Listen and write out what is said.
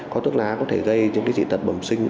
có thuốc lá có thể gây những dị tật bầm sinh